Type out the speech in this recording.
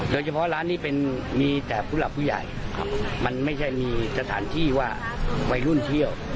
ร้านนี้เป็นมีแต่ผู้หลักผู้ใหญ่มันไม่ใช่มีสถานที่ว่าวัยรุ่นเที่ยว